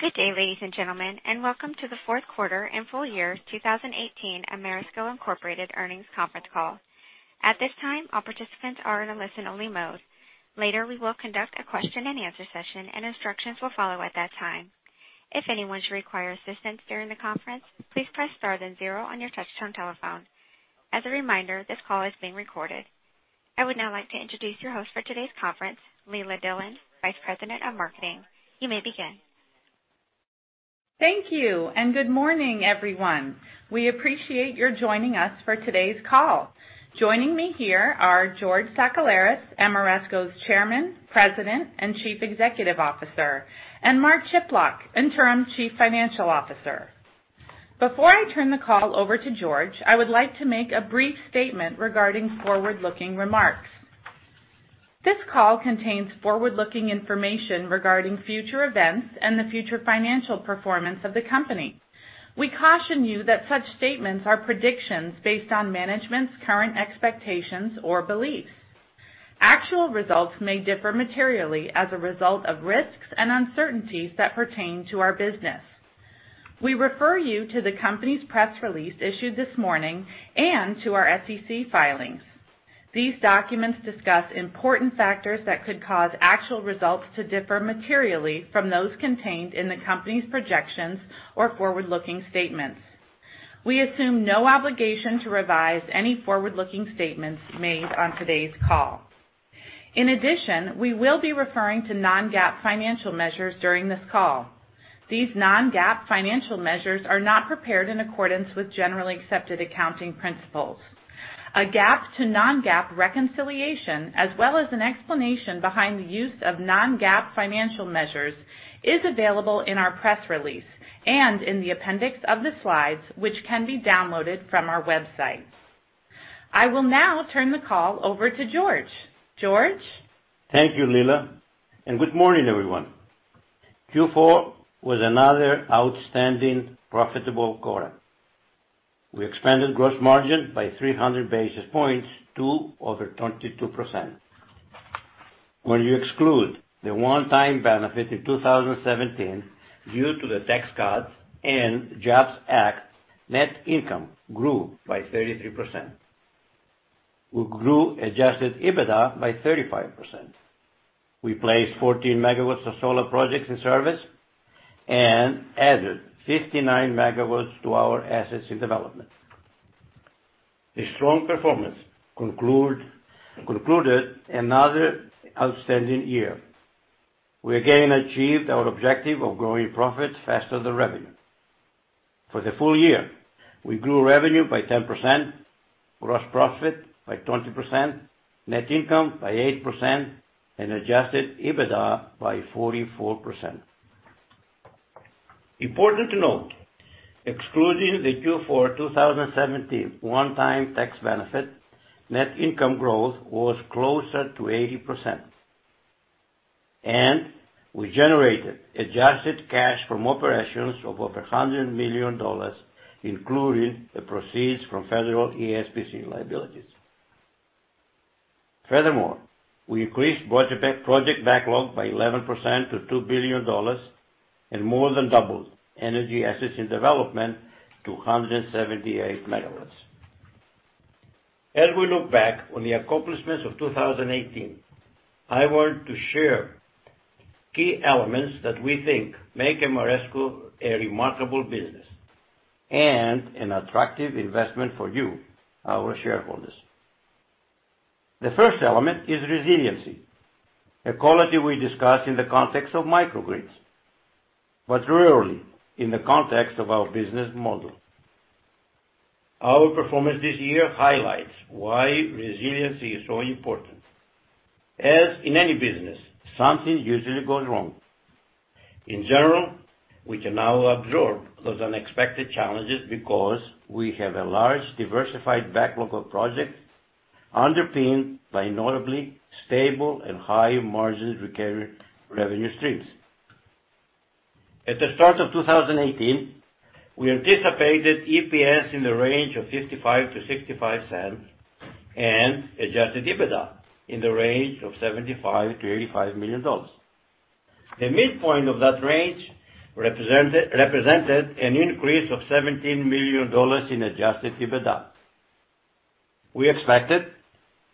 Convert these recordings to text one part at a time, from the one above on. Good day, ladies and gentlemen, and Welcome to the fourth quarter and full-year 2018 Ameresco Incorporated earnings conference call. At this time, all participants are in a listen-only mode. Later, we will conduct a question-and-answer session, and instructions will follow at that time. If anyone should require assistance during the conference, please press star then zero on your touch-tone telephone. As a reminder, this call is being recorded. I would now like to introduce your host for today's conference, Leila Dillon, Vice President of Marketing. You may begin. Thank you, and good morning, everyone. We appreciate your joining us for today's call. Joining me here are George Sakellaris, Ameresco's Chairman, President, and Chief Executive Officer, and Mark Chiplock, Interim Chief Financial Officer. Before I turn the call over to George, I would like to make a brief statement regarding forward-looking remarks. This call contains forward-looking information regarding future events and the future financial performance of the company. We caution you that such statements are predictions based on management's current expectations or beliefs. Actual results may differ materially as a result of risks and uncertainties that pertain to our business. We refer you to the company's press release issued this morning and to our SEC filings. These documents discuss important factors that could cause actual results to differ materially from those contained in the company's projections or forward-looking statements. We assume no obligation to revise any forward-looking statements made on today's call. In addition, we will be referring to non-GAAP financial measures during this call. These non-GAAP financial measures are not prepared in accordance with generally accepted accounting principles. A GAAP to non-GAAP reconciliation, as well as an explanation behind the use of non-GAAP financial measures, is available in our press release and in the appendix of the slides, which can be downloaded from our website. I will now turn the call over to George. George? Thank you, Leila, and good morning, everyone. Q4 was another outstanding profitable quarter. We expanded gross margin by 300 basis points to over 22%. When you exclude the one-time benefit in 2017 due to the Tax Cuts and Jobs Act, net income grew by 33%. We grew Adjusted EBITDA by 35%. We placed 14 MW of solar projects in service and added 59 MW to our assets in development. A strong performance concluded another outstanding year. We again achieved our objective of growing profits faster than revenue. For the full-year, we grew revenue by 10%, gross profit by 20%, net income by 8%, and Adjusted EBITDA by 44%. Important to note, excluding the Q4 2017 one-time tax benefit, net income growth was closer to 80%, and we generated adjusted cash from operations of over $100 million, including the proceeds from Federal ESPC liabilities. Furthermore, we increased project backlog by 11% to $2 billion and more than doubled energy assets in development to 178 MW. As we look back on the accomplishments of 2018, I want to share key elements that we think make Ameresco a remarkable business and an attractive investment for you, our shareholders. The first element is resiliency, a quality we discuss in the context of microgrids, but rarely in the context of our business model. Our performance this year highlights why resiliency is so important. As in any business, something usually goes wrong. In general, we can now absorb those unexpected challenges because we have a large diversified backlog of projects underpinned by notably stable and high-margin revenue streams. At the start of 2018, we anticipated EPS in the range of $0.55-$0.65 and Adjusted EBITDA in the range of $75 million-$85 million. The midpoint of that range represented an increase of $17 million in Adjusted EBITDA. We expected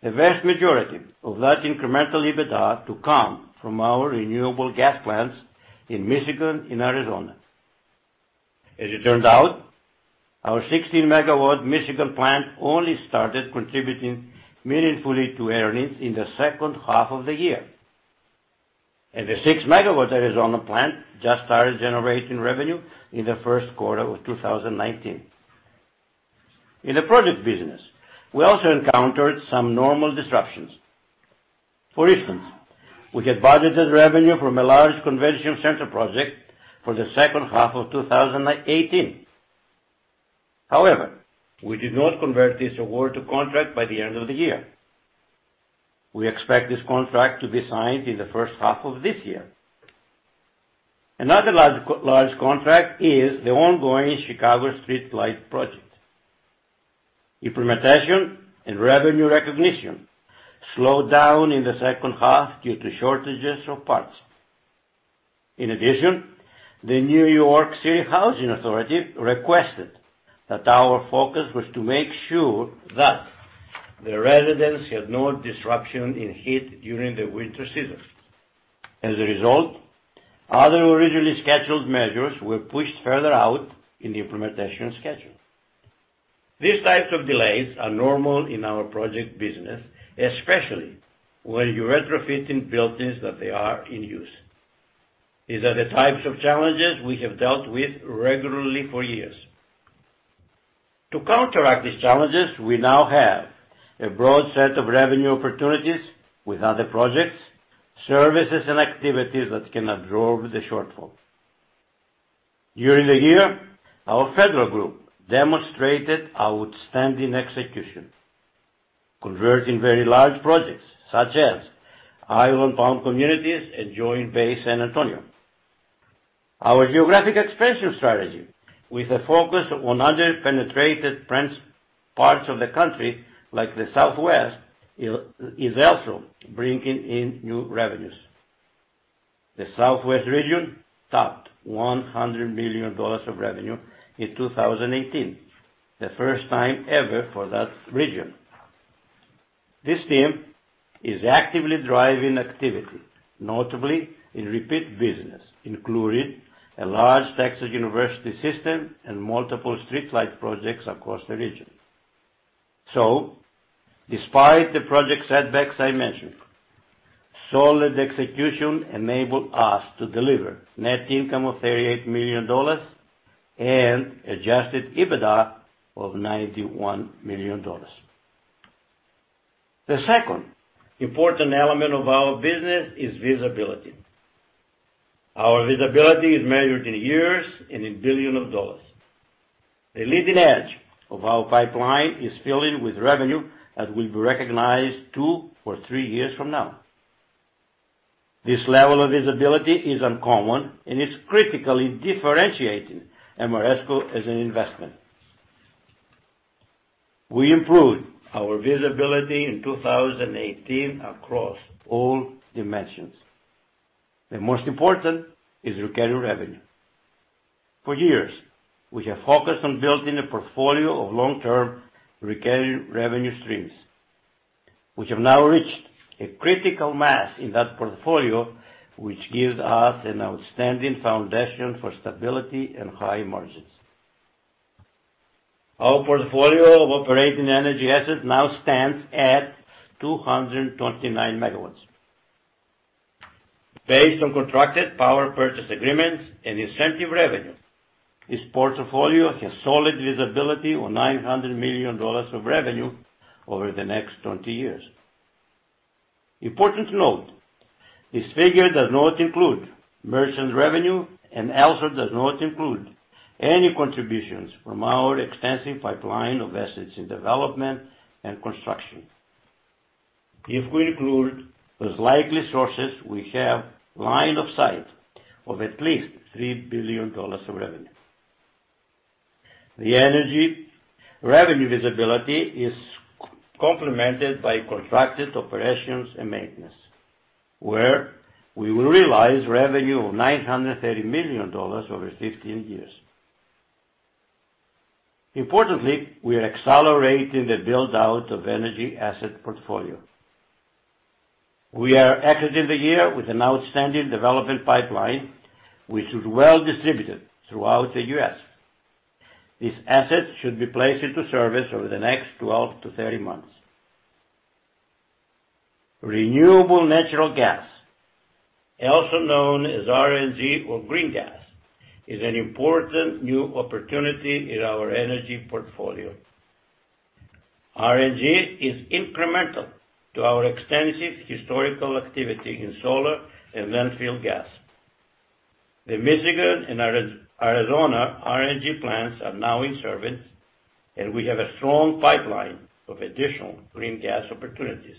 the vast majority of that incremental EBITDA to come from our renewable gas plants in Michigan and Arizona. As it turned out, our 16-MW Michigan plant only started contributing meaningfully to earnings in the second half of the year, and the 6-MW Arizona plant just started generating revenue in the first quarter of 2019. In the project business, we also encountered some normal disruptions. For instance, we had budgeted revenue from a large convention center project for the second half of 2018. However, we did not convert this award to contract by the end of the year. We expect this contract to be signed in the first half of this year. Another large contract is the ongoing Chicago Street Light Project. Implementation and revenue recognition slowed down in the second half due to shortages of parts. In addition, the New York City Housing Authority requested that our focus was to make sure that the residents had no disruption in heat during the winter season. As a result, other originally scheduled measures were pushed further out in the implementation schedule. These types of delays are normal in our project business, especially when you're retrofitting buildings that they are in use. These are the types of challenges we have dealt with regularly for years. To counteract these challenges, we now have a broad set of revenue opportunities with other projects, services, and activities that can absorb the shortfall. During the year, our federal group demonstrated outstanding execution, converting very large projects such as island-bound communities and Joint Base San Antonio. Our geographic expansion strategy, with a focus on under-penetrated parts of the country like the Southwest, is also bringing in new revenues. The Southwest region topped $100 million of revenue in 2018, the first time ever for that region. This team is actively driving activity, notably in repeat business, including a large Texas university system and multiple streetlight projects across the region. So, despite the project setbacks I mentioned, solid execution enabled us to deliver net income of $38 million and Adjusted EBITDA of $91 million. The second important element of our business is visibility. Our visibility is measured in years and in billions of dollars. The leading edge of our pipeline is filling with revenue that will be recognized two or three years from now. This level of visibility is uncommon and is critically differentiating Ameresco as an investment. We improved our visibility in 2018 across all dimensions. The most important is recurring revenue. For years, we have focused on building a portfolio of long-term recurring revenue streams. We have now reached a critical mass in that portfolio, which gives us an outstanding foundation for stability and high margins. Our portfolio of operating energy assets now stands at 229 MW. Based on contracted power purchase agreements and incentive revenue, this portfolio has solid visibility on $900 million of revenue over the next 20 years. Important to note, this figure does not include merchant revenue, and also does not include any contributions from our extensive pipeline of assets in development and construction. If we include those likely sources, we have line of sight of at least $3 billion of revenue. The energy revenue visibility is complemented by contracted operations and maintenance, where we will realize revenue of $930 million over 15 years. Importantly, we are accelerating the build-out of energy asset portfolio. We are exiting the year with an outstanding development pipeline, which is well distributed throughout the U.S. These assets should be placed into service over the next 12 to 30 months. Renewable natural gas, also known as RNG or green gas, is an important new opportunity in our energy portfolio. RNG is incremental to our extensive historical activity in solar and landfill gas. The Michigan and Arizona RNG plants are now in service, and we have a strong pipeline of additional green gas opportunities.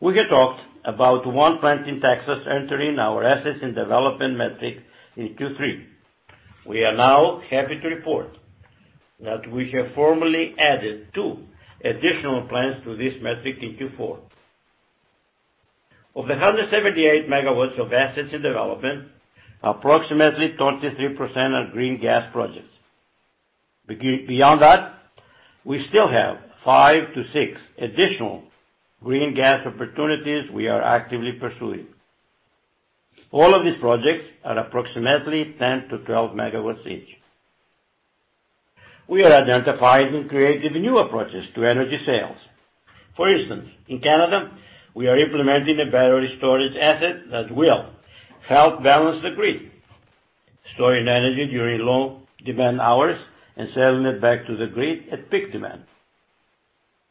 We have talked about one plant in Texas entering our assets in development metric in Q3. We are now happy to report that we have formally added two additional plants to this metric in Q4. Of the 178 MW of assets in development, approximately 23% are green gas projects. Beyond that, we still have five-six additional green gas opportunities we are actively pursuing. All of these projects are approximately 10 MW-12 MW each. We are identifying and creating new approaches to energy sales. For instance, in Canada, we are implementing a battery storage asset that will help balance the grid, storing energy during low demand hours and selling it back to the grid at peak demand.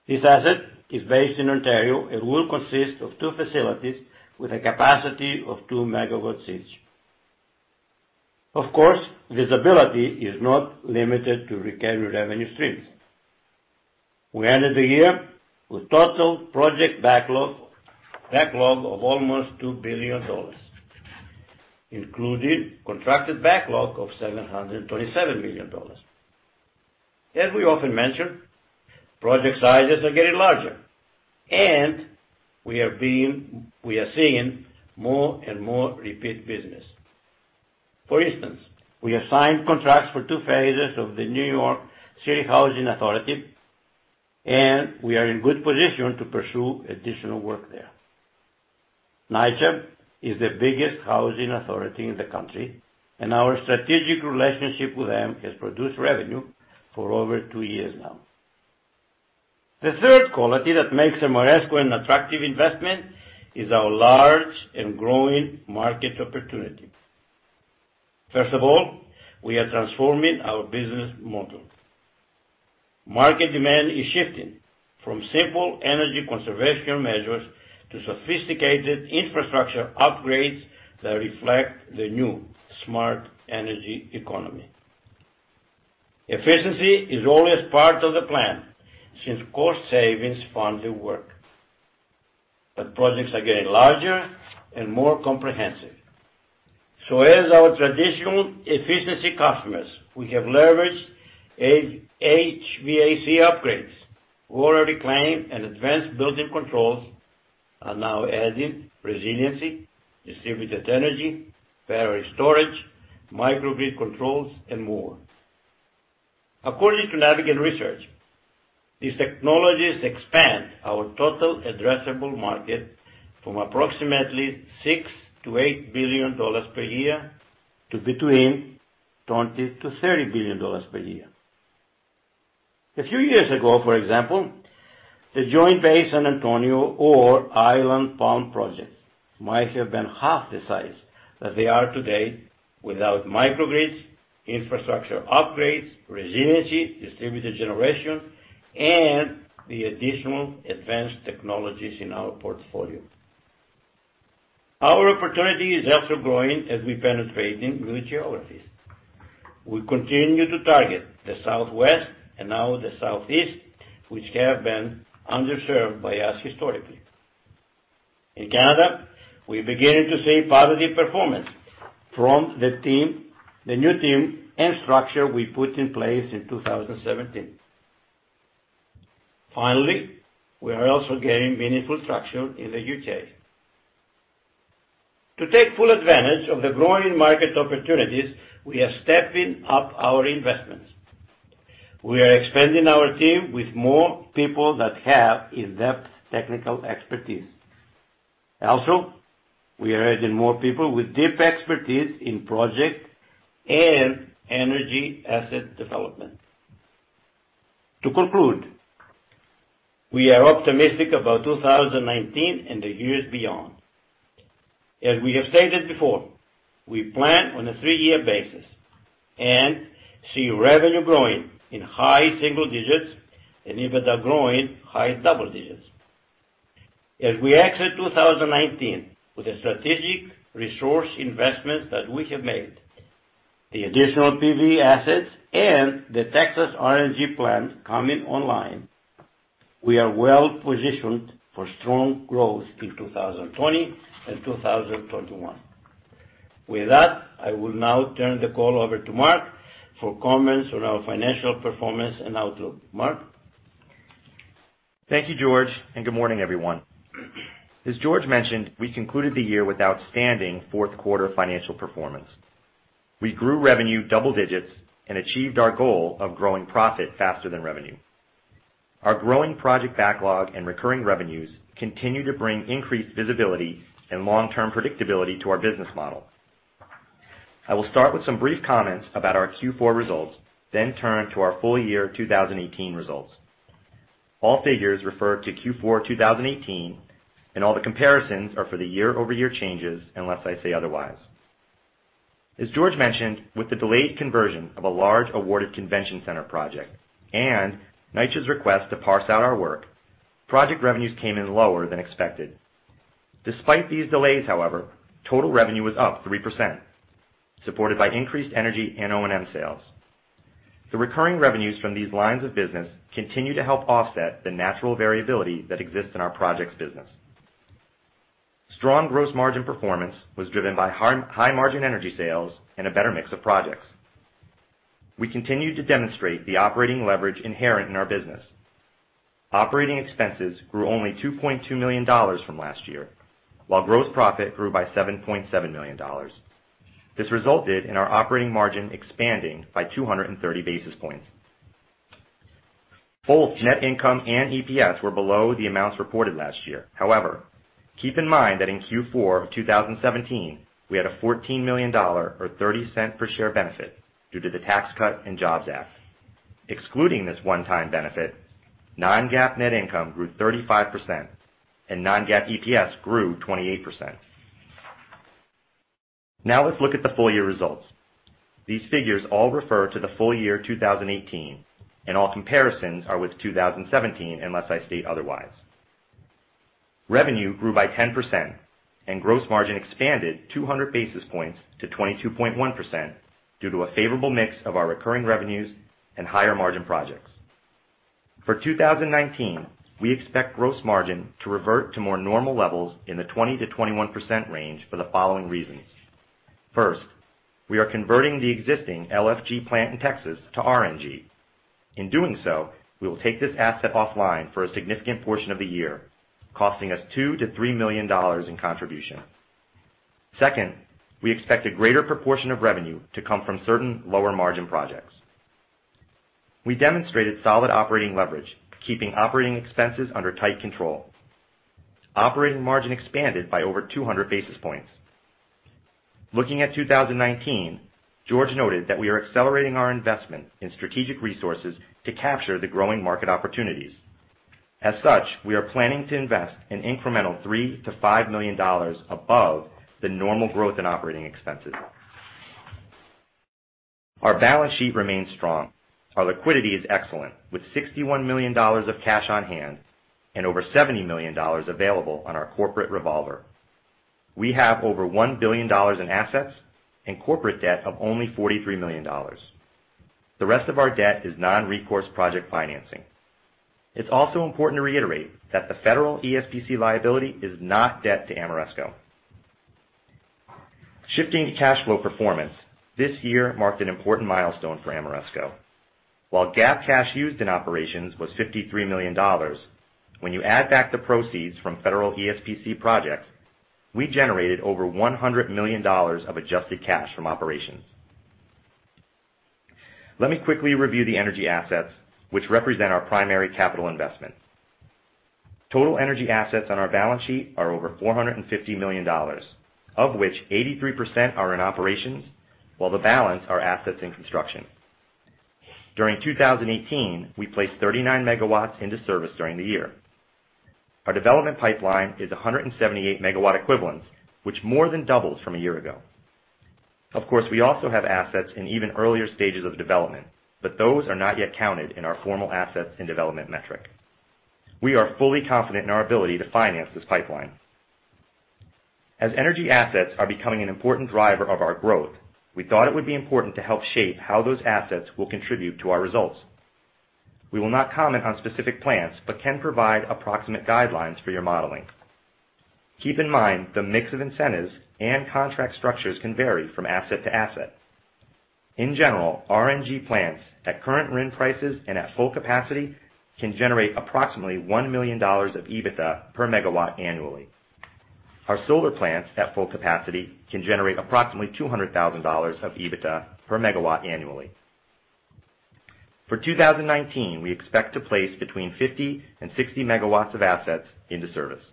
This asset is based in Ontario and will consist of two facilities with a capacity of 2 MW each. Of course, visibility is not limited to recurring revenue streams. We ended the year with total project backlog of almost $2 billion, including contracted backlog of $727 million. As we often mentioned, project sizes are getting larger, and we are seeing more and more repeat business. For instance, we have signed contracts for two phases of the New York City Housing Authority, and we are in good position to pursue additional work there. NYCHA is the biggest housing authority in the country, and our strategic relationship with them has produced revenue for over two years now. The third quality that makes Ameresco an attractive investment is our large and growing market opportunity. First of all, we are transforming our business model. Market demand is shifting from simple energy conservation measures to sophisticated infrastructure upgrades that reflect the new smart energy economy. Efficiency is always part of the plan since cost savings fund the work. But projects are getting larger and more comprehensive. So, as our traditional efficiency customers, we have leveraged HVAC upgrades, water reclaim, and advanced building controls, and now adding resiliency, distributed energy, battery storage, microgrid controls, and more. According to Navigant Research, these technologies expand our total addressable market from approximately $6 billion-$8 billion per year to between $20 billion-$30 billion per year. A few years ago, for example, the Joint Base San Antonio or island-bound projects might have been half the size that they are today without microgrids, infrastructure upgrades, resiliency, distributed generation, and the additional advanced technologies in our portfolio. Our opportunity is also growing as we penetrate new geographies. We continue to target the Southwest and now the Southeast, which have been underserved by us historically. In Canada, we are beginning to see positive performance from the new team and structure we put in place in 2017. Finally, we are also getting meaningful traction in the U.K. To take full advantage of the growing market opportunities, we are stepping up our investments. We are expanding our team with more people that have in-depth technical expertise. Also, we are adding more people with deep expertise in project and energy asset development. To conclude, we are optimistic about 2019 and the years beyond. As we have stated before, we plan on a three-year basis and see revenue growing in high single-digits and EBITDA growing high double-digits. As we exit 2019 with the strategic resource investments that we have made, the additional PV assets, and the Texas RNG plant coming online, we are well positioned for strong growth in 2020 and 2021. With that, I will now turn the call over to Mark for comments on our financial performance and outlook. Mark. Thank you, George, and good morning, everyone. As George mentioned, we concluded the year with outstanding fourth-quarter financial performance. We grew revenue double-digits and achieved our goal of growing profit faster than revenue. Our growing project backlog and recurring revenues continue to bring increased visibility and long-term predictability to our business model. I will start with some brief comments about our Q4 results, then turn to our full-year 2018 results. All figures refer to Q4 2018, and all the comparisons are for the year-over-year changes unless I say otherwise. As George mentioned, with the delayed conversion of a large awarded convention center project and NYCHA's request to phase out our work, project revenues came in lower than expected. Despite these delays, however, total revenue was up 3%, supported by increased energy and O&M sales. The recurring revenues from these lines of business continue to help offset the natural variability that exists in our project's business. Strong gross margin performance was driven by high-margin energy sales and a better mix of projects. We continued to demonstrate the operating leverage inherent in our business. Operating expenses grew only $2.2 million from last year, while gross profit grew by $7.7 million. This resulted in our operating margin expanding by 230 basis points. Both net income and EPS were below the amounts reported last year. However, keep in mind that in Q4 of 2017, we had a $14 million or $0.30 per share benefit due to the Tax Cuts and Jobs Act. Excluding this one-time benefit, non-GAAP net income grew 35%, and non-GAAP EPS grew 28%. Now let's look at the full-year results. These figures all refer to the full-year 2018, and all comparisons are with 2017 unless I state otherwise. Revenue grew by 10%, and gross margin expanded 200 basis points to 22.1% due to a favorable mix of our recurring revenues and higher-margin projects. For 2019, we expect gross margin to revert to more normal levels in the 20%-21% range for the following reasons. First, we are converting the existing LFG plant in Texas to RNG. In doing so, we will take this asset offline for a significant portion of the year, costing us $2 million-$3 million in contribution. Second, we expect a greater proportion of revenue to come from certain lower-margin projects. We demonstrated solid operating leverage, keeping operating expenses under tight control. Operating margin expanded by over 200 basis points. Looking at 2019, George noted that we are accelerating our investment in strategic resources to capture the growing market opportunities. As such, we are planning to invest an incremental $3 million-$5 million above the normal growth in operating expenses. Our balance sheet remains strong. Our liquidity is excellent, with $61 million of cash on hand and over $70 million available on our corporate revolver. We have over $1 billion in assets and corporate debt of only $43 million. The rest of our debt is non-recourse project financing. It's also important to reiterate that the federal ESPC liability is not debt to Ameresco. Shifting to cash flow performance, this year marked an important milestone for Ameresco. While GAAP cash used in operations was $53 million, when you add back the proceeds from federal ESPC projects, we generated over $100 million of adjusted cash from operations. Let me quickly review the energy assets, which represent our primary capital investment. Total energy assets on our balance sheet are over $450 million, of which 83% are in operations, while the balance are assets in construction. During 2018, we placed 39 MW into service during the year. Our development pipeline is 178 MW equivalents, which more than doubles from a year ago. Of course, we also have assets in even earlier stages of development, but those are not yet counted in our formal assets in development metric. We are fully confident in our ability to finance this pipeline. As energy assets are becoming an important driver of our growth, we thought it would be important to help shape how those assets will contribute to our results. We will not comment on specific plants but can provide approximate guidelines for your modeling. Keep in mind the mix of incentives, and contract structures can vary from asset to asset. In general, RNG plants at current RNG prices and at full capacity can generate approximately $1 million of EBITDA per megawatt annually. Our solar plants at full capacity can generate approximately $200,000 of EBITDA per megawatt annually. For 2019, we expect to place between 50 MW and 60 MW of assets into service.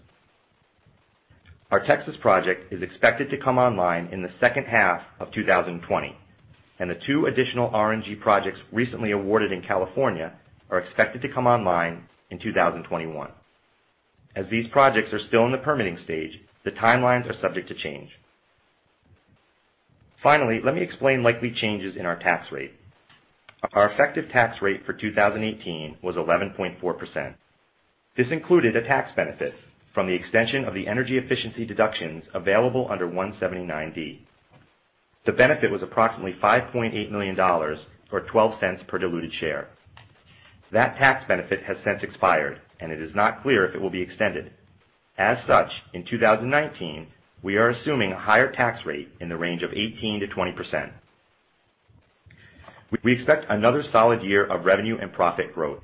Our Texas project is expected to come online in the second half of 2020, and the two additional RNG projects recently awarded in California are expected to come online in 2021. As these projects are still in the permitting stage, the timelines are subject to change. Finally, let me explain likely changes in our tax rate. Our effective tax rate for 2018 was 11.4%. This included a tax benefit from the extension of the energy efficiency deductions available under 179D. The benefit was approximately $5.8 million or $0.12 per diluted share. That tax benefit has since expired, and it is not clear if it will be extended. As such, in 2019, we are assuming a higher tax rate in the range of 18%-20%. We expect another solid year of revenue and profit growth.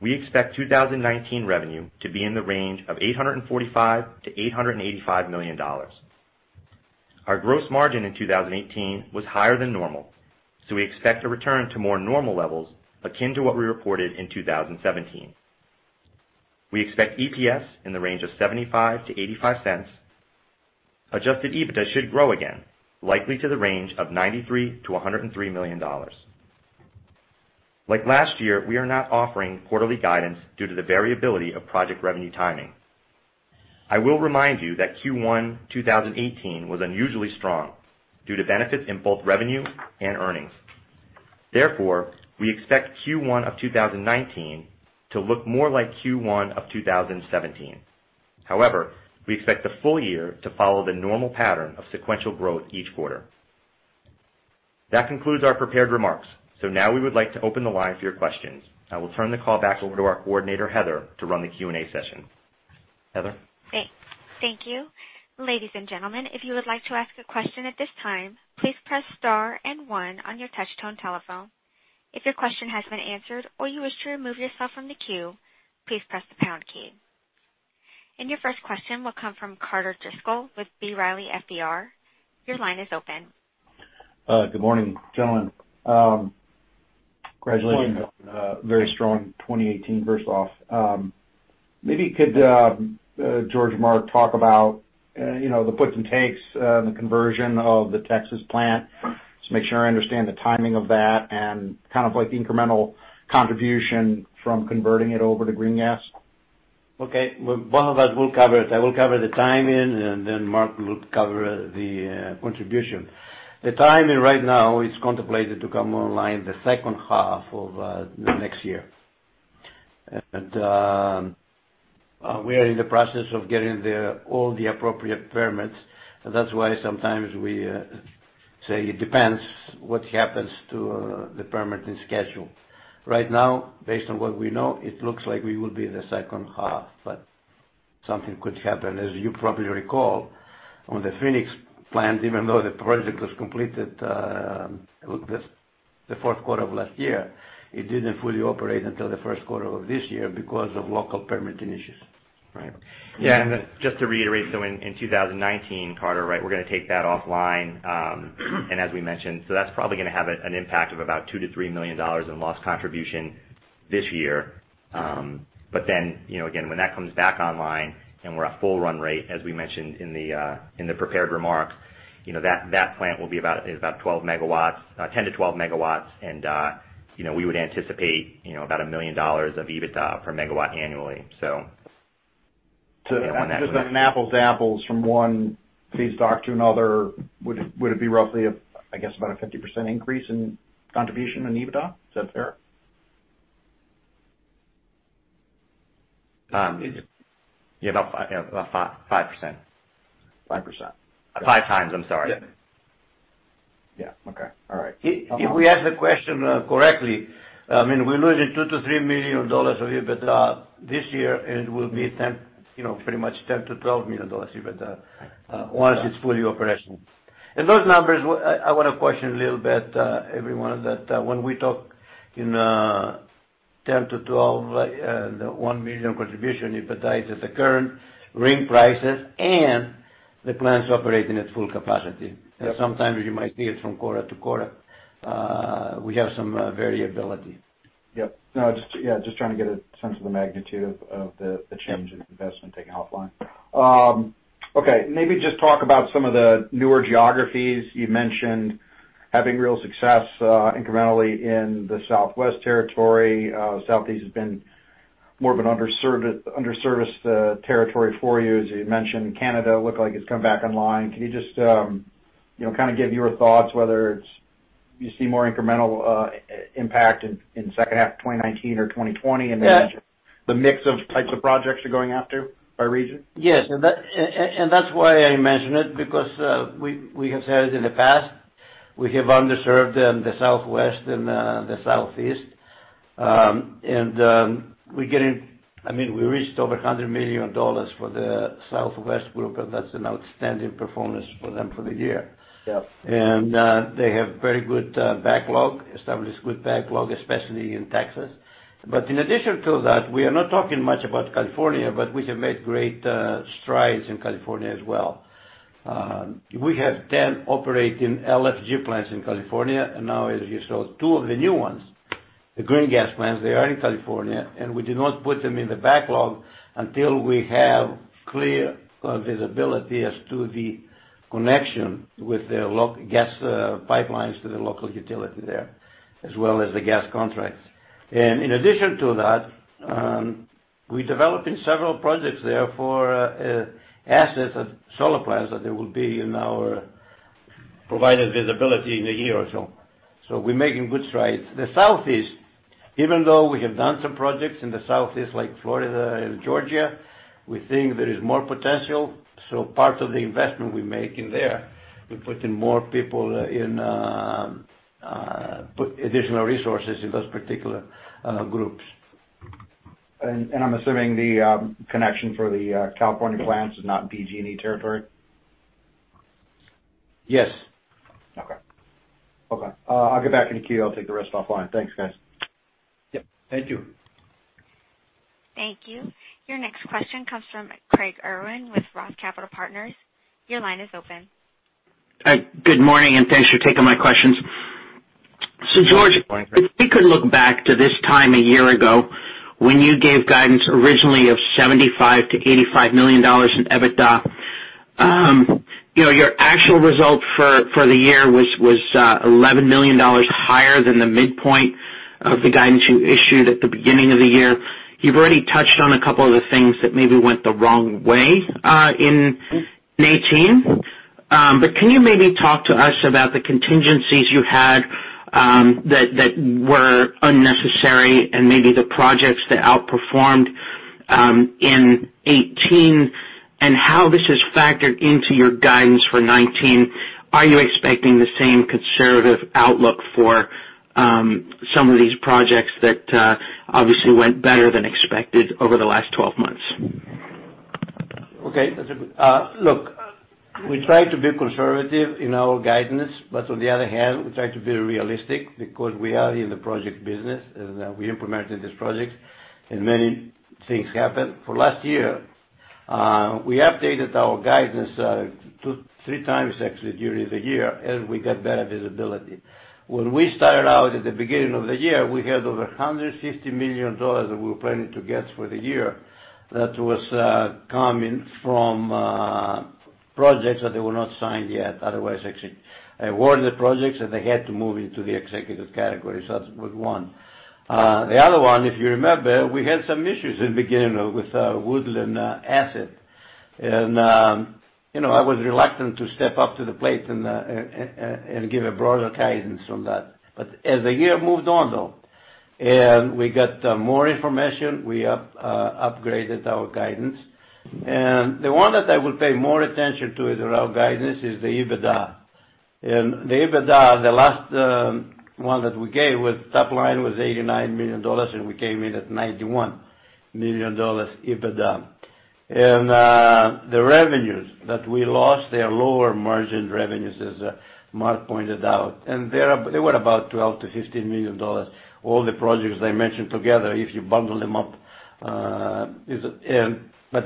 We expect 2019 revenue to be in the range of $845 million-$885 million. Our gross margin in 2018 was higher than normal, so we expect a return to more normal levels akin to what we reported in 2017. We expect EPS in the range of $0.75-$0.85. Adjusted EBITDA should grow again, likely to the range of $93 million-$103 million. Like last year, we are not offering quarterly guidance due to the variability of project revenue timing. I will remind you that Q1 2018 was unusually strong due to benefits in both revenue and earnings. Therefore, we expect Q1 of 2019 to look more like Q1 of 2017. However, we expect the full-year to follow the normal pattern of sequential growth each quarter. That concludes our prepared remarks, so now we would like to open the line for your questions. I will turn the call back over to our coordinator, Heather, to run the Q&A session. Heather. Great. Thank you. Ladies and gentlemen, if you would like to ask a question at this time, please press star and one on your touch tone telephone. If your question has been answered or you wish to remove yourself from the queue, please press the pound key. Your first question will come from Carter Driscoll with B. Riley FBR. Your line is open. Good morning, gentlemen. Congratulations on a very strong 2018 first off. Maybe could George and Mark talk about the puts and takes and the conversion of the Texas plant just to make sure I understand the timing of that and kind of the incremental contribution from converting it over to green gas? Okay. Both of us will cover it. I will cover the timing, and then Mark will cover the contribution. The timing right now is contemplated to come online the second half of next year. And we are in the process of getting all the appropriate permits, and that's why sometimes we say it depends what happens to the permitting schedule. Right now, based on what we know, it looks like we will be in the second half, but something could happen. As you probably recall, on the Phoenix plant, even though the project was completed the fourth quarter of last year, it didn't fully operate until the first quarter of this year because of local permitting issues. Right. Yeah. And just to reiterate, so in 2019, Carter, right, we're going to take that offline, and as we mentioned, so that's probably going to have an impact of about $2 million-$3 million in lost contribution this year. But then, again, when that comes back online and we're at full run rate, as we mentioned in the prepared remarks, that plant will be about 10 MW-12 MW, and we would anticipate about $1 million of EBITDA per megawatt annually, so. Just an apples to apples from one feedstock to another, would it be roughly, I guess, about a 50% increase in contribution in EBITDA? Is that fair? Yeah, about 5%. 5%. 5x. I'm sorry. Yeah. Okay. All right. If we ask the question correctly, I mean, we lose $2 million-$3 million of EBITDA this year, and it will be pretty much $10 million-$12 million of EBITDA once it's fully operational. Those numbers, I want to question a little bit, everyone, that when we talk of $10 million-$12 million and the $1 million contribution EBITDA is at the current RNG prices and the plants operating at full capacity. Sometimes you might see it from quarter to quarter. We have some variability. Yep. No, just trying to get a sense of the magnitude of the change in investment taken offline. Okay. Maybe just talk about some of the newer geographies. You mentioned having real success incrementally in the Southwest territory. Southeast has been more of an underserviced territory for you, as you mentioned. Canada looked like it's come back online. Can you just kind of give your thoughts whether you see more incremental impact in second half of 2019 or 2020 and then the mix of types of projects you're going after by region? Yes. And that's why I mention it because we have said it in the past. We have underserved in the Southwest and the Southeast. And we're getting I mean, we reached over $100 million for the Southwest group, and that's an outstanding performance for them for the year. And they have very good backlog, established good backlog, especially in Texas. But in addition to that, we are not talking much about California, but we have made great strides in California as well. We have 10 operating LFG plants in California, and now, as you saw, two of the new ones, the green gas plants, they are in California, and we did not put them in the backlog until we have clear visibility as to the connection with the gas pipelines to the local utility there as well as the gas contracts. In addition to that, we're developing several projects there for a set of solar plants that will provide us visibility in a year or so. So we're making good strides. The Southeast, even though we have done some projects in the Southeast like Florida and Georgia, we think there is more potential. So part of the investment we make in there, we're putting more people and additional resources in those particular groups. I'm assuming the connection for the California plants is not in PG&E territory? Yes. Okay. Okay. I'll get back into queue. I'll take the rest offline. Thanks, guys. Yep. Thank you. Thank you. Your next question comes from Craig Irwin with Roth Capital Partners. Your line is open. Good morning, and thanks for taking my questions. So, George, if we could look back to this time a year ago when you gave guidance originally of $75 million-$85 million in EBITDA, your actual result for the year was $11 million higher than the midpoint of the guidance you issued at the beginning of the year. You've already touched on a couple of the things that maybe went the wrong way in 2018, but can you maybe talk to us about the contingencies you had that were unnecessary and maybe the projects that outperformed in 2018 and how this has factored into your guidance for 2019? Are you expecting the same conservative outlook for some of these projects that obviously went better than expected over the last 12 months? Okay. Look, we tried to be conservative in our guidance, but on the other hand, we tried to be realistic because we are in the project business, and we implemented these projects, and many things happened. For last year, we updated our guidance three times, actually, during the year as we got better visibility. When we started out at the beginning of the year, we had over $150 million that we were planning to get for the year. That was coming from projects that they were not signed yet. Otherwise, I awarded the projects, and they had to move into the executive category. So that was one. The other one, if you remember, we had some issues in the beginning with Woodland asset, and I was reluctant to step up to the plate and give a broader guidance on that. But as the year moved on, though, and we got more information, we upgraded our guidance. And the one that I will pay more attention to in our guidance is the EBITDA. And the EBITDA, the last one that we gave, the top line was $89 million, and we came in at $91 million EBITDA. And the revenues that we lost, they are lower margin revenues, as Mark pointed out, and they were about $12 million-$15 million, all the projects I mentioned together, if you bundle them up. But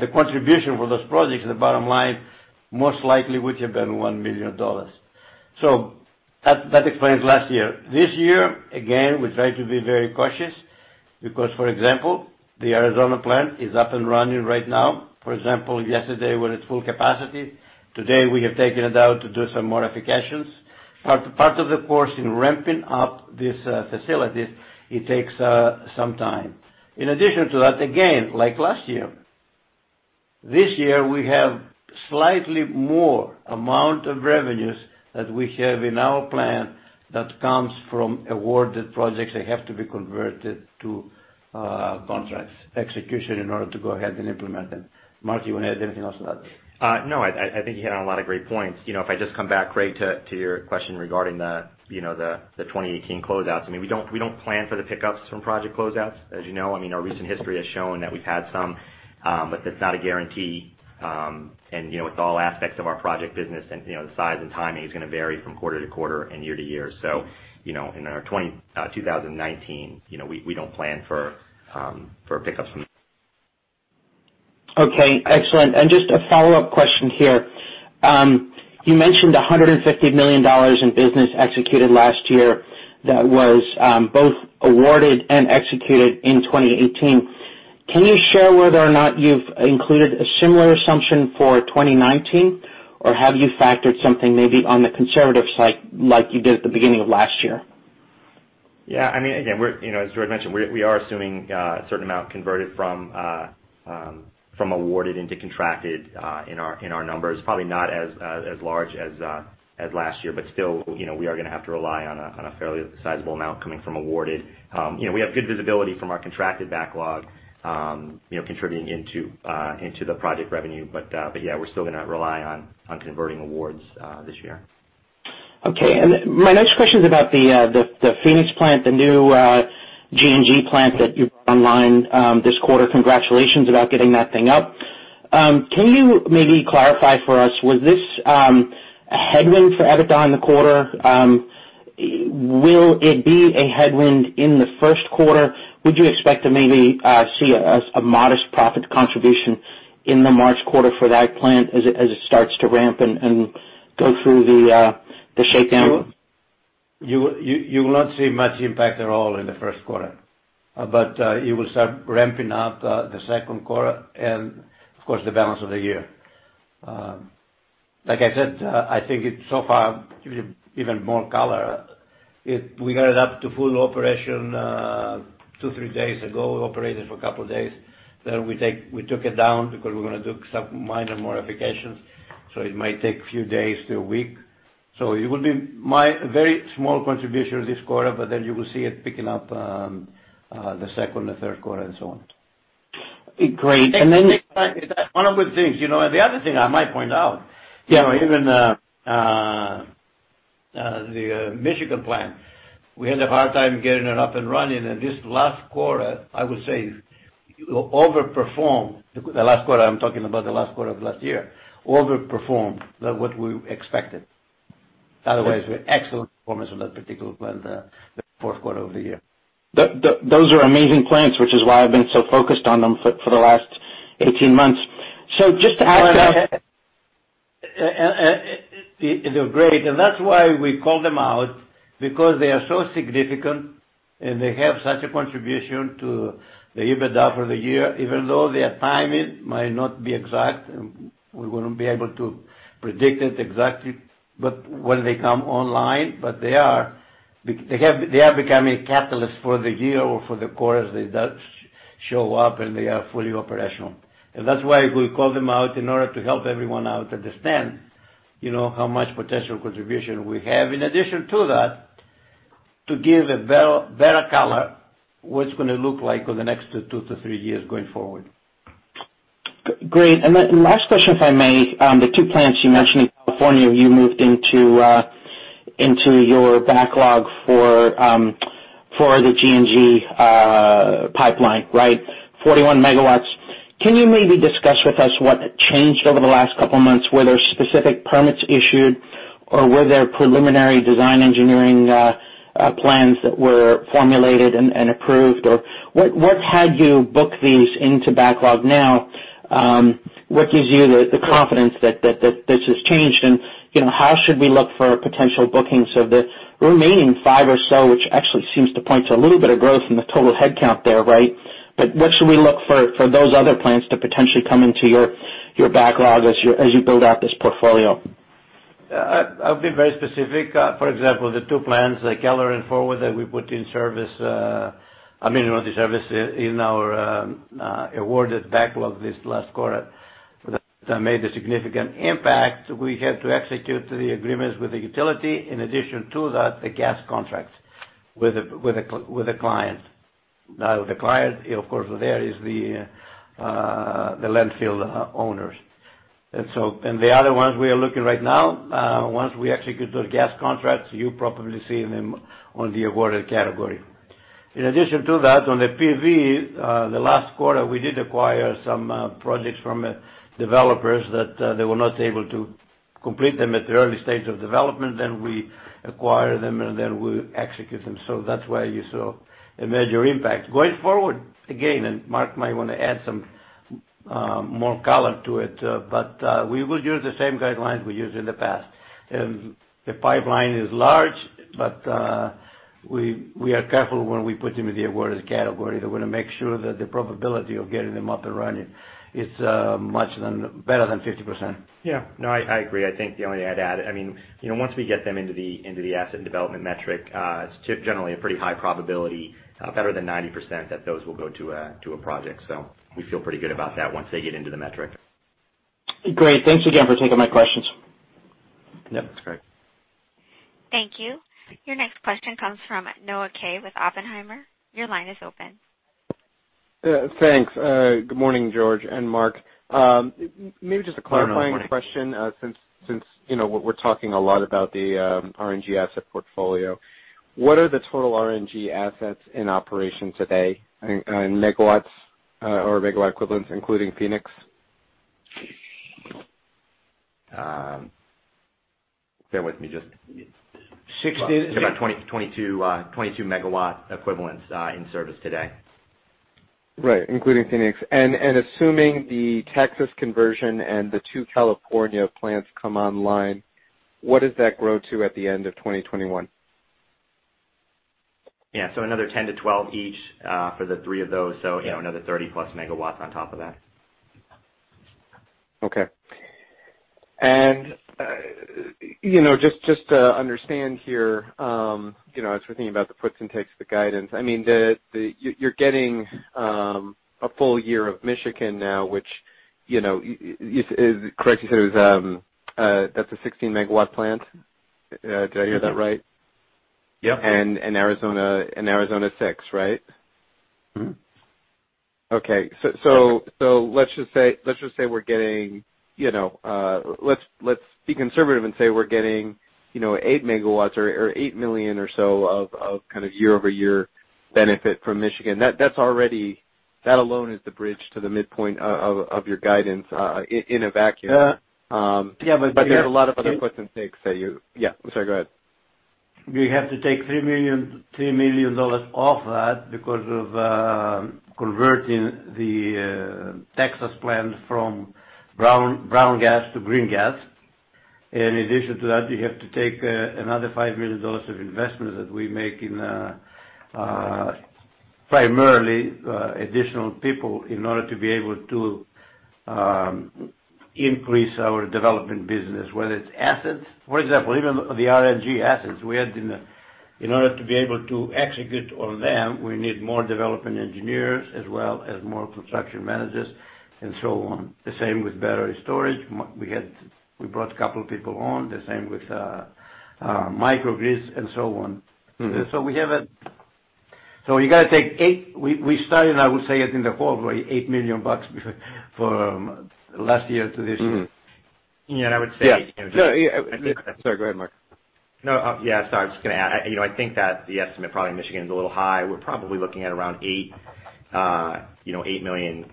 the contribution for those projects, the bottom line, most likely would have been $1 million. So that explains last year. This year, again, we tried to be very cautious because, for example, the Arizona plant is up and running right now. For example, yesterday, when it's full capacity, today, we have taken it out to do some modifications. Part of the course in ramping up these facilities, it takes some time. In addition to that, again, like last year, this year, we have slightly more amount of revenues that we have in our plan that comes from awarded projects that have to be converted to contracts, execution in order to go ahead and implement them. Mark, do you want to add anything else to that? No, I think you hit on a lot of great points. If I just come back, Craig, to your question regarding the 2018 closeouts, I mean, we don't plan for the pickups from project closeouts. As you know, I mean, our recent history has shown that we've had some, but that's not a guarantee. And with all aspects of our project business and the size and timing, it's going to vary from quarter to quarter and year-to-year. So in our 2019, we don't plan for pickups from. Okay. Excellent. And just a follow-up question here. You mentioned $150 million in business executed last year that was both awarded and executed in 2018. Can you share whether or not you've included a similar assumption for 2019, or have you factored something maybe on the conservative side like you did at the beginning of last year? Yeah. I mean, again, as George mentioned, we are assuming a certain amount converted from awarded into contracted in our numbers, probably not as large as last year, but still, we are going to have to rely on a fairly sizable amount coming from awarded. We have good visibility from our contracted backlog contributing into the project revenue, but yeah, we're still going to rely on converting awards this year. Okay. And my next question is about the Phoenix plant, the new RNG plant that you brought online this quarter. Congratulations about getting that thing up. Can you maybe clarify for us, was this a headwind for EBITDA in the quarter? Will it be a headwind in the first quarter? Would you expect to maybe see a modest profit contribution in the March quarter for that plant as it starts to ramp and go through the shakedown? You will not see much impact at all in the first quarter, but it will start ramping up the second quarter and, of course, the balance of the year. Like I said, I think so far, even more color. We got it up to full operation two-three days ago. We operated for a couple of days. Then we took it down because we're going to do some minor modifications, so it might take a few days to a week. So it will be a very small contribution this quarter, but then you will see it picking up the second, the third quarter, and so on. Great. And then. One of the things, and the other thing I might point out, even the Michigan plant, we had a hard time getting it up and running, and this last quarter, I would say, overperformed. The last quarter, I'm talking about the last quarter of last year, overperformed what we expected. Otherwise, we had excellent performance on that particular plant, the fourth quarter of the year. Those are amazing plants, which is why I've been so focused on them for the last 18 months. So just to ask about. And they're great. And that's why we call them out because they are so significant, and they have such a contribution to the EBITDA for the year, even though their timing might not be exact, and we won't be able to predict it exactly when they come online, but they are. They are becoming a catalyst for the year or for the quarter as they show up, and they are fully operational. And that's why we call them out in order to help everyone out understand how much potential contribution we have. In addition to that, to give a better color what's going to look like for the next two-three years going forward. Great. And then last question, if I may, the two plants you mentioned in California, you moved into your backlog for the RNG pipeline, right, 41 MW. Can you maybe discuss with us what changed over the last couple of months? Were there specific permits issued, or were there preliminary design engineering plans that were formulated and approved, or what had you book these into backlog now? What gives you the confidence that this has changed, and how should we look for potential bookings of the remaining five or so, which actually seems to point to a little bit of growth in the total headcount there, right? But what should we look for those other plants to potentially come into your backlog as you build out this portfolio? I'll be very specific. For example, the two plants like Keller and Forward that we put in service, I mean, not in service, in our awarded backlog this last quarter that made a significant impact, we had to execute the agreements with the utility. In addition to that, the gas contracts with a client. Now, the client, of course, there is the landfill owners. And the other ones we are looking right now, once we execute those gas contracts, you probably see them on the awarded category. In addition to that, on the PV, the last quarter, we did acquire some projects from developers that they were not able to complete them at the early stage of development. Then we acquired them, and then we executed them. So that's why you saw a major impact. Going forward, again, and Mark might want to add some more color to it, but we will use the same guidelines we used in the past. The pipeline is large, but we are careful when we put them in the awarded category. They want to make sure that the probability of getting them up and running, it's better than 50%. Yeah. No, I agree. I think the only thing I'd add, I mean, once we get them into the asset and development metric, it's generally a pretty high probability, better than 90%, that those will go to a project. So we feel pretty good about that once they get into the metric. Great. Thanks again for taking my questions. Yep. That's correct. Thank you. Your next question comes from Noah Kaye with Oppenheimer. Your line is open. Thanks. Good morning, George and Mark. Maybe just a clarifying question since we're talking a lot about the RNG asset portfolio. What are the total RNG assets in operation today in megawatts or megawatt equivalents, including Phoenix? Bear with me. Just. 60 MW. It's about 22 MW equivalents in service today. Right. Including Phoenix. And assuming the Texas conversion and the two California plants come online, what does that grow to at the end of 2021? Yeah. So another 10 MW-12 MW each for the three of those, so another 30+ MW on top of that. Okay. Just to understand here, as we're thinking about the puts and takes, the guidance, I mean, you're getting a full-year of Michigan now, which is correct? You said that's a 16-MW plant? Did I hear that right? Yep. Arizona six, right? Mm-hmm. Okay. So let's just say we're getting—let's be conservative and say we're getting 8 MW or $8 million or so of kind of year-over-year benefit from Michigan. That alone is the bridge to the midpoint of your guidance in a vacuum. But there's a lot of other puts and takes that you, yeah. I'm sorry. Go ahead. We have to take $3 million off that because of converting the Texas plant from brown gas to green gas. And in addition to that, you have to take another $5 million of investments that we make in primarily additional people in order to be able to increase our development business, whether it's assets. For example, even the RNG assets, in order to be able to execute on them, we need more development engineers as well as more construction managers and so on. The same with battery storage. We brought a couple of people on. The same with microgrids and so on. So we have a so you got to take $8 million we started, I would say, it in the fall, $8 million bucks for last year to this year. Yeah. I would say just. Yeah. No. Sorry. Go ahead, Mark. No. Yeah. Sorry. I was just going to add, I think that the estimate, probably Michigan is a little high. We're probably looking at around $8 million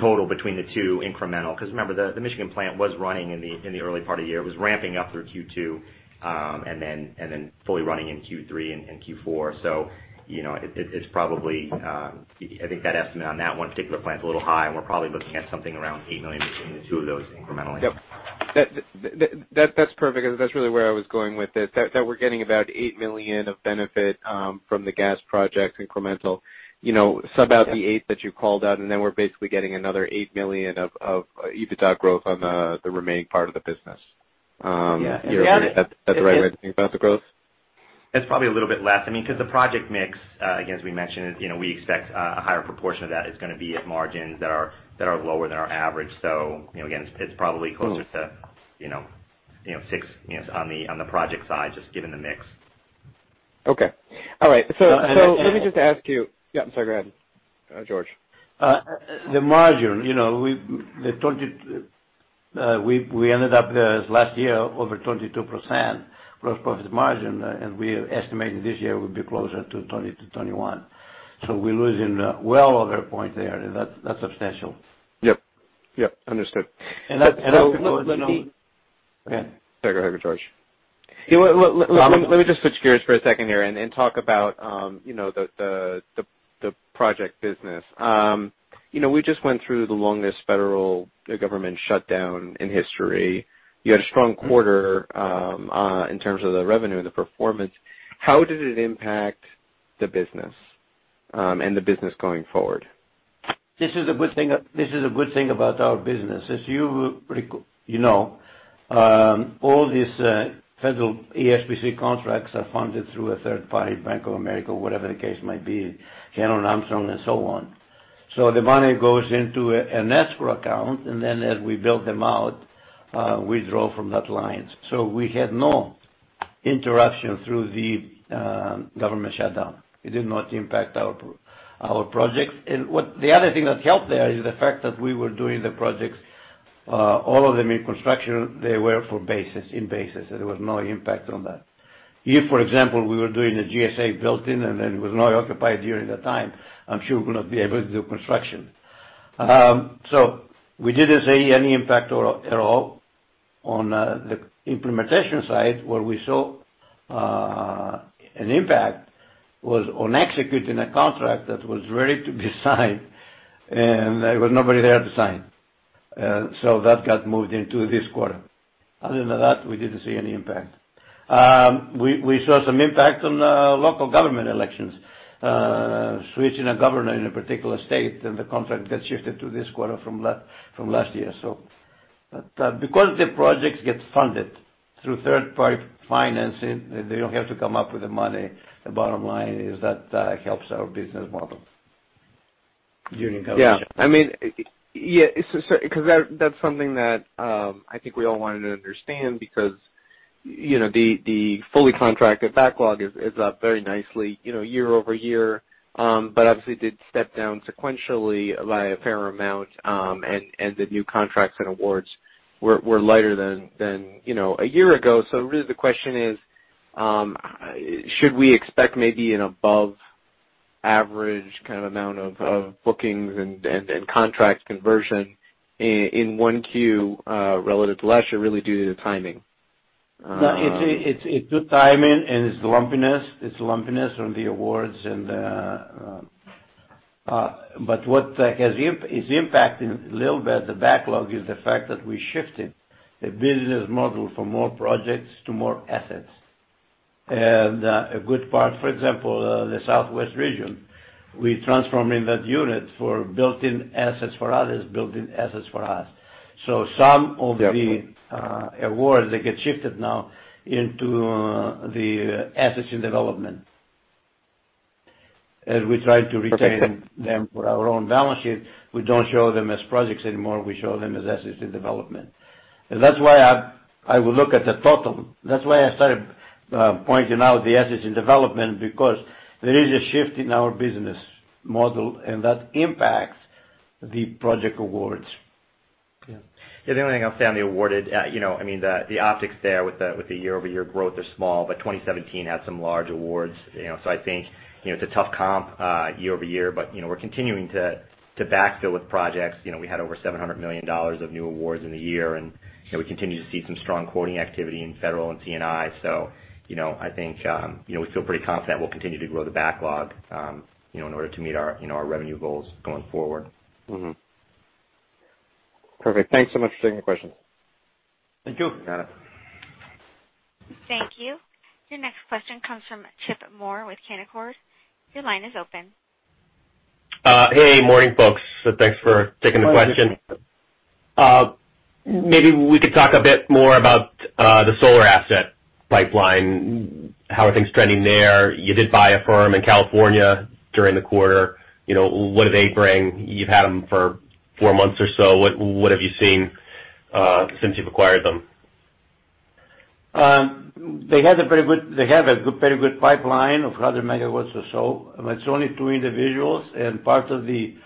total between the two, incremental. Because remember, the Michigan plant was running in the early part of the year. It was ramping up through Q2 and then fully running in Q3 and Q4. So it's probably I think that estimate on that one particular plant's a little high, and we're probably looking at something around $8 million between the two of those, incrementally. Yep. That's perfect because that's really where I was going with it, that we're getting about $8 million of benefit from the gas projects, incremental, sub out the $8 million that you called out, and then we're basically getting another $8 million of EBITDA growth on the remaining part of the business. Is that the right way to think about the growth? That's probably a little bit less. I mean, because the project mix, again, as we mentioned, we expect a higher proportion of that is going to be at margins that are lower than our average. So again, it's probably closer to six on the project side, just given the mix. Okay. All right. So let me just ask you, yeah. I'm sorry. Go ahead, George. The margin, we ended up last year over 22% gross profit margin, and we estimate this year will be closer to 20%-21%. So we're losing well over a point there, and that's substantial. Yep. Yep. Understood. And I'll let me. Go ahead. Sorry. Go ahead, George. Yeah. Let me just switch gears for a second here and talk about the project business. We just went through the longest federal government shutdown in history. You had a strong quarter in terms of the revenue and the performance. How did it impact the business and the business going forward? This is a good thing about our business. As you know, all these federal ESPC contracts are funded through a third-party, Bank of America, whatever the case might be, Hannon Armstrong, and so on. So the money goes into an escrow account, and then as we build them out, we draw from that line. So we had no interruption through the government shutdown. It did not impact our projects. The other thing that helped there is the fact that we were doing the projects, all of them in construction, they were in bases, so there was no impact on that. If, for example, we were doing a GSA building, and then it was not occupied during that time, I'm sure we would not be able to do construction. So we didn't see any impact at all. On the implementation side, where we saw an impact was on executing a contract that was ready to be signed, and there was nobody there to sign. So that got moved into this quarter. Other than that, we didn't see any impact. We saw some impact on local government elections, switching a governor in a particular state, and the contract got shifted to this quarter from last year, so. But because the projects get funded through third-party financing, they don't have to come up with the money. The bottom line is that helps our business model during our shutdown. Yeah. I mean, yeah. Because that's something that I think we all wanted to understand because the fully contracted backlog is up very nicely year-over-year, but obviously did step down sequentially by a fair amount, and the new contracts and awards were lighter than a year ago. So really, the question is, should we expect maybe an above-average kind of amount of bookings and contract conversion in 1Q relative to last year, really due to the timing? No. It's good timing, and it's the lumpiness on the awards. But what has impacted a little bit the backlog is the fact that we shifted the business model from more projects to more assets. And a good part, for example, the Southwest region, we transformed in that unit for building assets for others, building assets for us. So some of the awards, they get shifted now into the assets in development. As we try to retain them for our own balance sheet, we don't show them as projects anymore. We show them as assets in development. And that's why I would look at the total. That's why I started pointing out the assets in development because there is a shift in our business model, and that impacts the project awards. Yeah. The only thing I'll say on the awarded, I mean, the optics there with the year-over-year growth are small, but 2017 had some large awards. So I think it's a tough comp year-over-year, but we're continuing to backfill with projects. We had over $700 million of new awards in the year, and we continue to see some strong quoting activity in federal and C&I. So I think we feel pretty confident we'll continue to grow the backlog in order to meet our revenue goals going forward. Perfect. Thanks so much for taking the questions. Thank you. You got it. Thank you. Your next question comes from Chip Moore with Canaccord. Your line is open. Hey. Morning, folks. Thanks for taking the question. Morning, Chip. Maybe we could talk a bit more about the solar asset pipeline. How are things trending there? You did buy a firm in California during the quarter. What do they bring? You've had them for four months or so. What have you seen since you've acquired them? They have a very good pipeline of 100 MW or so. It's only two individuals. Part of the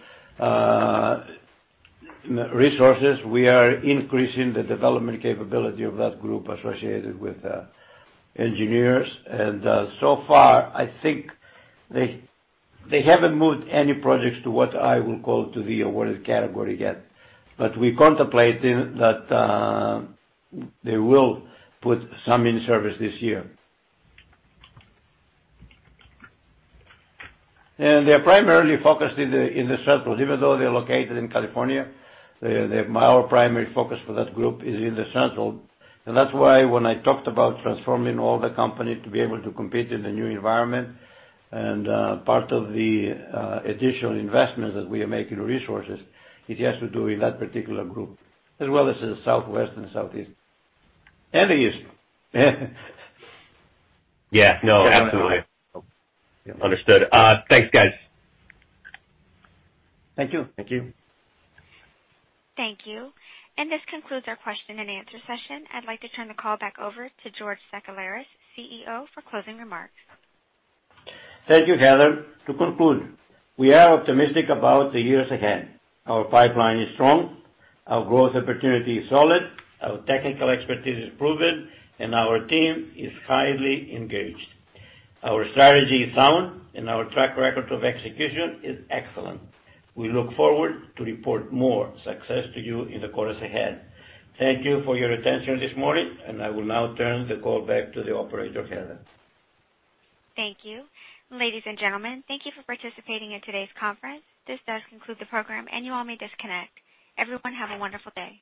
resources, we are increasing the development capability of that group associated with engineers. So far, I think they haven't moved any projects to what I will call the awarded category yet. But we contemplate that they will put some in service this year. They're primarily focused in the Central, even though they're located in California. My primary focus for that group is in the Central. That's why when I talked about transforming all the company to be able to compete in the new environment and part of the additional investments that we are making in resources, it has to do with that particular group, as well as the Southwest and Southeast and the East. Yeah. No. Absolutely. Understood. Thanks, guys. Thank you. Thank you. Thank you. This concludes our question-and-answer session. I'd like to turn the call back over to George Sakellaris, CEO, for closing remarks. Thank you, Heather. To conclude, we are optimistic about the years ahead. Our pipeline is strong. Our growth opportunity is solid. Our technical expertise is proven, and our team is highly engaged. Our strategy is sound, and our track record of execution is excellent. We look forward to report more success to you in the quarters ahead. Thank you for your attention this morning, and I will now turn the call back to the operator, Heather. Thank you. Ladies and gentlemen, thank you for participating in today's conference. This does conclude the program, and you all may disconnect. Everyone, have a wonderful day.